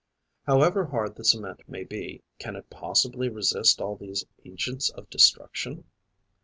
However hard the cement may be, can it possibly resist all these agents of destruction?